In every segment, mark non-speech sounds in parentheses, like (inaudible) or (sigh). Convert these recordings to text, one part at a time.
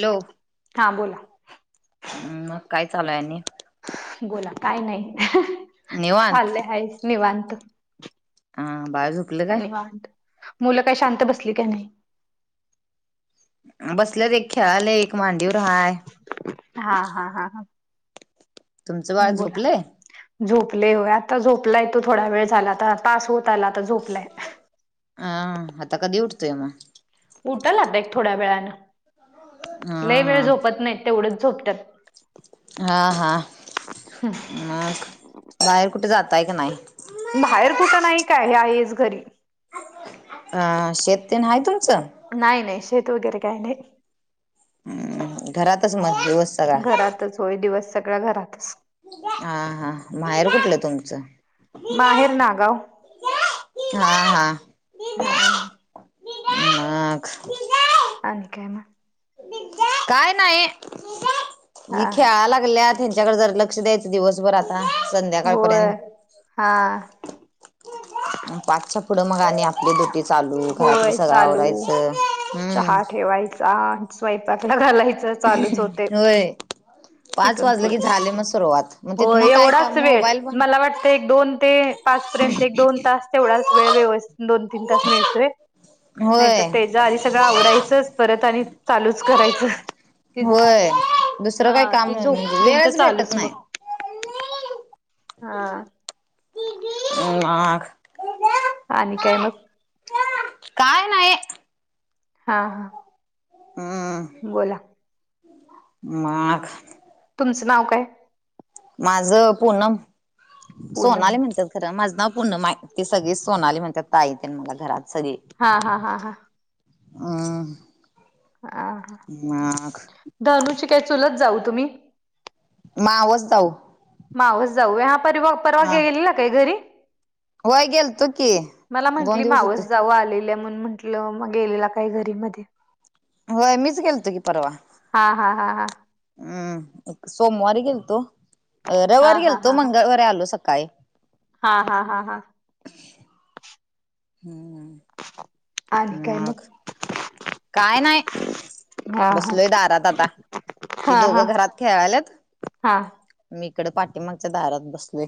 Hello. हां बोला. हम् मग काय चालू आहे आणि बोला काय नाही निवांत चालले आहेच निवांत. हा बाळ झोप वा मुलं काय शांत बसली काय नाही. बसलं र एक खेळाले एक मांडीवर हाय. हा हा हा हा. तुमचं बाळ बोला झोपलंय. झोपले होय आता झोपलाय तो थोडा वेळ झाला तर तास होत आला आता झोपलाय. हा आता कधी उठतोय मग. उठ ला आत एक थोड्या हा वेळानं लय वेळ हा झोपत नाही तेवढंच झोपत्यात. हा हा मग बाहेर कुठे जाताय क नाही. बाहेर कुठं नाही काय हे आहेच घरी अ शेततेन आहे तुमचं. नाही नाही शेत वगैरे काही नाही. हम् घरातच मग दिवस सगळा घरातच होय दिवस सगळा घरातच. हा हा माहेर कुठलं तुमचं माहेर नागाव हा हा हा. आणि काय मग. काय नाही ही हा खेळा लागल्या त्यांच्याकडे जर लक्ष द्यायचं. दिवसभर आता होय हा संध्याकाळपर्यंत पाचच्या पुढं मग आणि आपली ड्युटी चालू घरातलं होय सगळं चालू आवरायचं हम्म चहा ठेवायचा स्वयंपाकला घालायचं चालूच होते. होय पाच तिथून वाजले पुढं की झाले मग सुरुवात मग हो तिथनं काय का एवढाच वेळ मोबाईल पण मला वाटत एक दोन ते पाच पर्यंत एक दोन तास तेवढाच वेळ व्यवस्थित दोन तीन तास मिळ नाही तर होय तेच्या आधी सगळं आवरायचंच परत आणि चालूच करायचं. ते होय दुसरं काही हा काम ते म्हणजे झोपपर्यंत वेळच भेटत चालूच मग नाही. हा. आख. आणि काय मग. काय नाही. हा हा. हा. बोला. मग. तुमचं नाव काय. माझ पूनम पूनम सोनाली म्हणतात. तर माझं नाव पूनम आहे मा त सगळी सोनाली म्हणतात ताई तेन मला घरात सगळी. हा हा हा हा आ आ धनुची काय चुलत जाऊ तुम्ही मावस जाऊ मावस जाऊ हा परवा हा परवाग्या गेले ना काही घरी होय गेलतो की मला दोन म्हटली दिवस होते मावस जाऊ आलेल्या म्हून म्हंट लं मग गेलेला काय घरी मध्ये होय मीच गेलतो की परवा हा हा हा हा हम्म सोमवारी गेलतो हा रविवारी हा गेलतो हा मंगळवारी आलो सकाळी हा हा हा हा हम् ह काय मग काय नाही हा बसलोय दारात आता हे हा हा दोघं घरात खेळावायलात हा हा मी इकडे पाठीमागच्या दारात बसले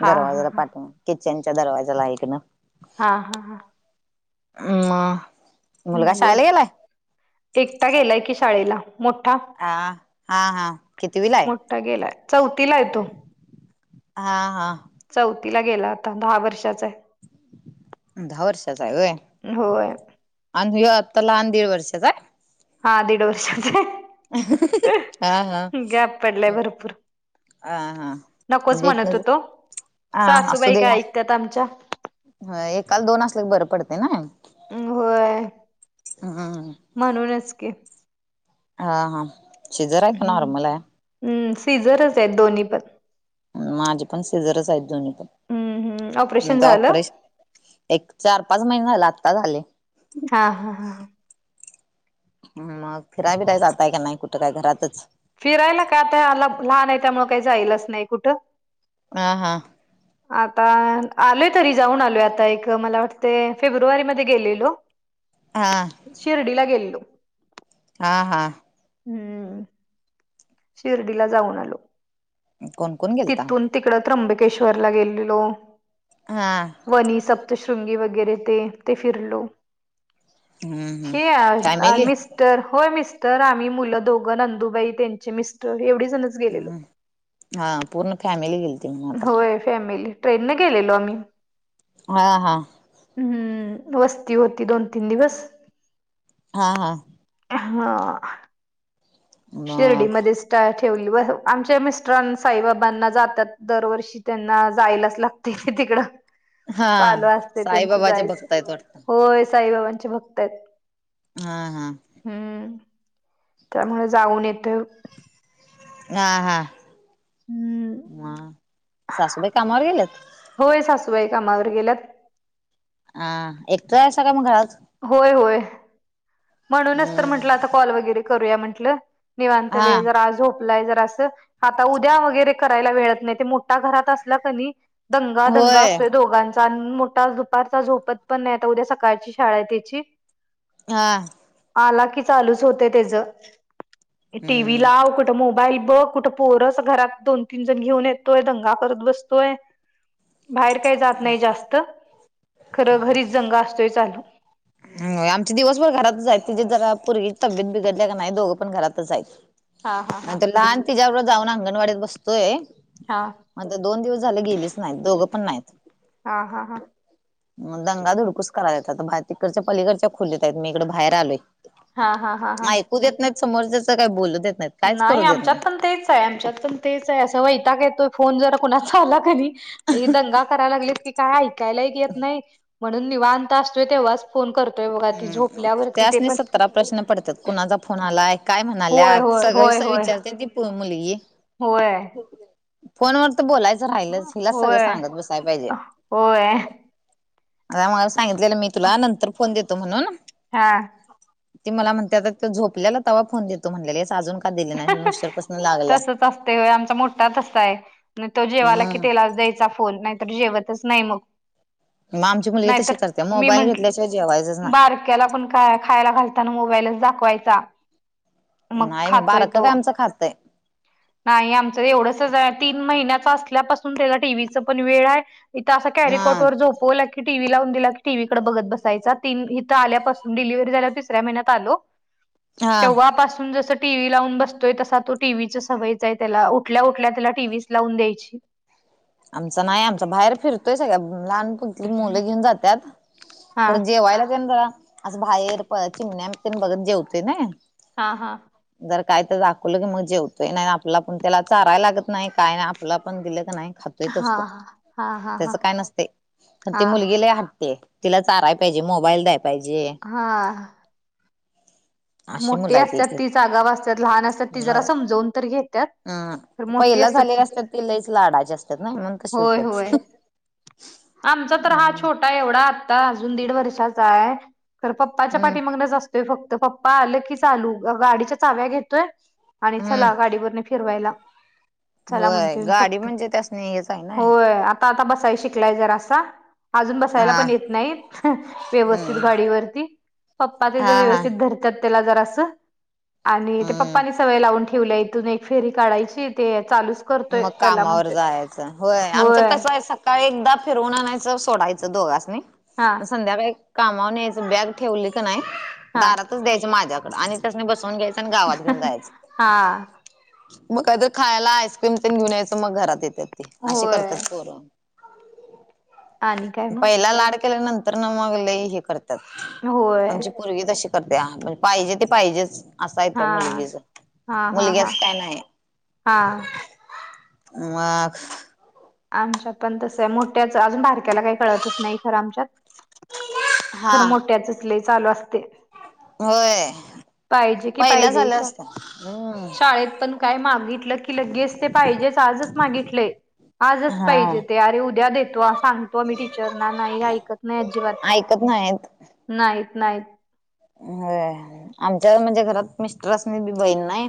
हा हा हा दरवाज्याला पाठीिमाग किचन च्या दरवाजाला एकक ना हा हा हां हम हम् बोल एकटा गेलाय की शाळेला मोठा ह हा हा कितवीला आहे मोठा गेलाय चौथीला येतो हा हा चौथीला गेला आता दहा वर्षाच आहे दहा वर्षाचा आहे वय होय आणि आत्ता लहान दीड वर्षाचा आहे हा दीड वर्ष हा गॅप पडलाय भरपूर आ हा नकोच म्हणत लेटन होतो सासूबाई काय ऐकतात आमच्या ह एकाल दोन असल्या क बरं पडते ना होय हम्म म्हणूनच क हा हा शेजरय का हम्म. नॉर्मल आहे हम्म सीझरच आहेत दोन्ही पण माझे पण सिजरच आहेत जुनी हम्म पण म ऑपरेशन झालं. ऑपरेश एक चार पाच महिने झाला आत्ता झाले हा हा हा ह मग फिरायवी नाहीय जातय का नाही कुठं काय घरातच फिरायला काय आताला लहान आहे त्यामुळ काही जाईलच नाही कुठं आ हा आता आलोय तरी जाऊन आलोय आता एक मला वाटते फेब्रुवारीमध्येध्ये गेलेलो हा शिर्डीला गेल्लो हा हा हम्म शिर्डीला जाऊन आलो कोण कोण गेलता तिथून तिकड त्र्यंबकेश्वर ला गेलेलो हा वणी सप्तशृंगी वगैरे ते ते फिरलो हम्म हम्म हे मस् फॅमिली मिस्टर होय मिस्टर आम्ही मुलं दोघं नंदुबाई त्यांचे मिस्टर एवढी जण हम्म, हा पूर्ण फॅमिली गेल त म्हग आता. होय फॅमिली, ट्रेन ट ने गेलेला आम्ही. हा, हा, हम्म, वस्ती होती दोन तीन दिवस हा, हा, हा. मग शिर्डीमध्येच ठेवली, आमच्या मिस्टरां साईबाबांना जातात. दरवर्षी त्यांना जायलाच लागत. त तिकडं हा चालू असते त्यांच साईबाबाचे जायचं भक्त आहेत वाटत होय साईबाबांचे भक्त ते (unintelligible) हा, हा, हम्म, त्यामुळे जाऊन येतं. हा, हा, हम्म ह सासूबाई कामावर गेल्यात? होय सासूबाई कामावर गेल्यात. अ एक तर आहे सगळ मग घरात (unintelligible) होय, होय, म्हणूनच तर हम्म म्हटलं आता कॉल वगैरे करूया म्हटलं निवांत हा वेळ जर आजो आप जरा अस आता उद्या वगैरे करायला वेळत नाही ते मोठा घरात असला क दंगा, दंगा, होय असतोय दोघांचा. मोठा दुपारचा झोपत पण नाही. आता उद्या सकाळची शाळा आहे त्याची. हा. आला की चालूच होत त्याच, टीव्ही हम्म ला कुठं मो बाई बघ कुठं पोहरस घरात दोन तीन जण घेऊन येतोय दंगा करत बसतोय. बाहेर काही जात नाही जास्त खरं घरीच जंगा असतोय चालू. आमचे दिवसभर घरातच आहेत. तिची जरा पो तब्येत बिघडल्या का नाही दोघं पण घरातच आहेत. हा हा आणि तो लहान तिच्याबरोब जाऊन अंगणवाडीत बसतोय हा आता दोन दिवस झाले गेलेच नाहीत दोघं पण नाहीत. हा हा हा मग दंगा दधुडकूस करायचा तिकडच्या पलीकडच्या खोलीत आहेत मी इकडें बाहेर आले. हा, हा, हा, हा ऐकू देत नाही समोरच्याच, काय बोलू देत नाहीत. कायच नाही करू देत आमच्यात नाहीत पण तेच आहे. आमच्यात पण तेच आहे, अस वैताग येतोय फोन जरा कुणाचा आला क दंगा कराय लागत क काय ऐकायला येत नाही म्हणून नीवांता असतोय तेव्हाच फोन करतोय बघ हम्म, त्यास्नी सत्तरा प्रश्न पडतात. कुणाचा फोन आलाय, काय होय म्हणाल्यात, होय सगळ होय होय विचारते ती मुलगी होय. फोन वर तर बोलायचं राहिलच हिलाच सगळं होय सांगत बसायला पाहिजे. होय. त्यामुळे सांगितलेलं मी तुला नंतर फोन देतो म्हणून. हा. ते मला म्हणते आता झोपलेला तव्हा फोन देतो म्हणलेली अस अजून का दिले नाही नरप तसच असते आमचा मोठा तसाय म्ह तो जेवायला की हम्म तेलाच द्यायचा. फोन, नाही तर जेवतच नाही मग. मग आमची मुलगी तशी नाहीतर करते. मोबाईल घेतल्याशिवाय जेवायच नाही. त्याला पण खायला घालताना मोबाईलच दाखवायचा. मग नाही खातोय बारक तो. काय आमचं खातय नाही आमचं एवढंसच तीन महिन्याच असल्यापासून त्याला टीव्हीच पण वेड आहे. इथं असं हा कॅरीकोट वर झोप होला बोलला की टीव्ही लावून दिला की टी व्हीकडे बघत बसायचा तन इथ आल्यापून डिलव्ह झा तिसऱ्याहि्यात आलो. (inaudible) तेव्हापसून जस टीव्ही लावून बसतोय तसा तो टीव्ही च सवयचा आहे त्याला उठल्या उठल्या त्याला टीव्हीच लावून द्यायची आमच नाही आमचा बाहेर फिरतोय सग का्या लहानप ली मुलं घेऊन जातात हा खरं जेवायलाच ना असं बाहेर प चिमण्या त्यांनी बघत जेवते ना हा हा जर काय तर दाखवलं की मग जेवतोय नाही आपला पण त्याला चाराय लागत नाही काय नाही आपला पण दिलं नाही खात हा हा असतो हा त्याच हा काय नसते पण हा ते मुलगीला हाटते तिला चााराय पाहिजे मोबाईल द्याय पाहिजे हा अशी मोठी मुलं आहेत असतात एक एक. तीच आगाव असतात लहान असतात ती जरा समजवून तर घेतात ह पहिला झालेले असतात ती लईच लाडाचे असतात ना मण तसे होय होत्यात होय आमचा तर हा हम्म छोट ा एवढा आता अजून दीड वर्षाचा आहे ख पप्पाच्या हम्म पाठी मगच असतोय फक्त प् आलं की चालू गाडीच्या चाव्या घेतोय आणि हम्म चला गाडीवर फिरवायला चला होय म्हणत गाडी फक्त म्हणजे त्यासनी हेच आहे ना. होय आता आता बसाय शिकलाय जरा असं अजून बसायला हा पण येत नाही व्यवस्थित हम्म गाडीवरती पप्पा तेच हा हा व्यवस्थित धर ज हम्म. प्नी सवय ला ठेवल्या इथून एक फेरी काढायची ते चालूच करतोय मग चला कामावर म्हणतोय जायचं होय आमचं तसं आहे काय एकदा फिरवून आणायचं सोडायचं दोघासनी हां मग संध्याकाळी कामाून यायच बॅग ठेवली का नाही हा दारात च द्यायचं माझ्याकड आणि तस नाही बसवून घ्यायचं आणि गावात घेऊन हा जायचं मग काय तर खायला आईस्क्रीम प घेऊन यायचं मग घरात येतात ते असे होय करतातर आणि काय मग पहिला लाड केल्या नंतर ना मग ल हे करते होय आमची पूर्ग तशी करते म्हणज पाहिजे ते पाहिजेच असायेत हा मुलगीच हा हा हा मुलग्याच काय नाही हा मग आमच्यात पण तसं आहे मोठ्याच अजून बारक्याला काही कळतच नाही खरं आमच्यात हा खरं मोठ्या चचले चालू असते होय पाहिजे की पहिला पाहिजे झाल्या असत्या हम्म शाळेत पण काय मागितलं की लगे अस पाहिजे आजच मागितले आजच हा पाहिजे ते अरे उद्या देतो सांगतो मही टीचरना नाही ऐकत नाही अजिबात ऐकत नाहीत नाहीत नाहीत अ आमच्या म्हणजे घरात मिस्टरसनी बी बहीण नाही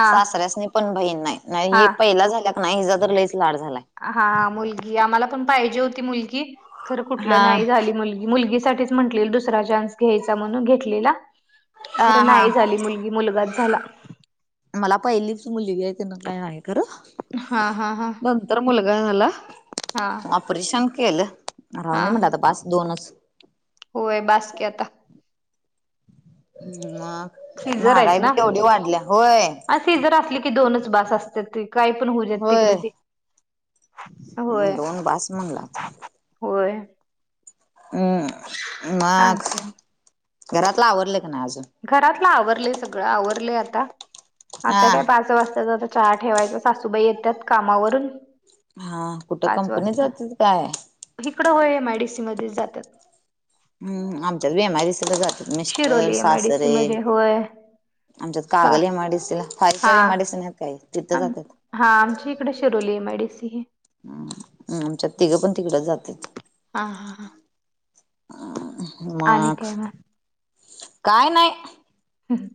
हा सासऱ्यास नाही पण बहीण नाही हा पहिला झाल्या का नाही हिचा तर लईच लाड झालाय हा मुलगी आम्हाला पण पाहिजे होती मुलगी खरं कुठलं हा नाही झाली मुलगी मुलगीसाठी म्हट दुसरा घ्यायचा म्हणून घेतलेला हा खरं नाही हा झाली मुलगी मुलगाच झाला मला पहिलीच मुलगी आहे तीन काय हाय काय खर (unintelligible) हा हा हा नंतर मुलगा आहे मला हा ऑपरेशन केलं राहून नाही हा म्हणट हा आता बस दोनच होय बाासकी आता सीझर महागाई बी तेवढी वाढल्या होय ी जर असली की दोनच बस असते त काही पण होऊ जात तिकडे होय ते होय दोन बास म्हणला आता होय हम् आणि मग काय घरातलं आवरडले का ना आजून घरातलं आवरले सगळं आवरले आता आता काय हा पाच वाजता चहा ठेवायचा सासूबाई येतात कामावरून हा कुठं कंपनी जात काय इिकडं व मॅडिसीमध्येध्ये जातात हम्म आमच्याच बेमारीसध जातात mister Shiroli M I D C सासरे मध्ये होय आमच्यात चा कागल एमआयडीसीला फाय हा स्टार एमआरडीिसी आहेत काय तिथं आम जातात हा आमची इकडे शिरोली एमयडीसी हे हमम आमच्यात तिघं पण तिकडं जातेच हा हा हा. आणि माघ काय मग काय नाही हम्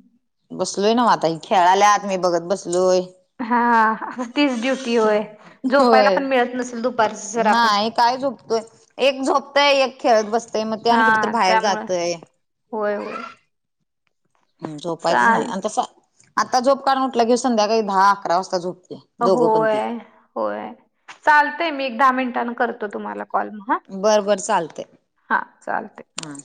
बसलोय ना म आता ह खेळाल्या आत मी बघत बसलोय हा तीच ड्य झोपायला होय पण मिळत नसेल दुपार जर आपण नाही काय झोपतोय एक झोपतंय एक खेळत बसतय मग ते आणि हा कुठेत बाहेर त्यामुळे जातय होय होय झोपायचं नाही चाल आणि तस आता झोप का्ड म्हटलं के संध्याकाळी दहा अकरा वाजता झोपते दोघं पण होय ती होय चालतय मी एक दहा मिनटांने करतो तुम्हाला कॉल मग हा बरं बर चालते हा चालतय. हा